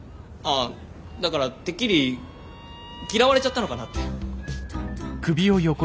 あだからてっきり嫌われちゃったのかなって。